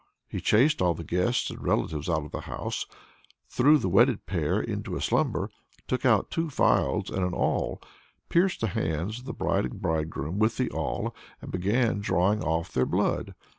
He chased all the guests and relatives out of the house, threw the wedded pair into a slumber, took out two phials and an awl, pierced the hands of the bride and bridegroom with the awl, and began drawing off their blood.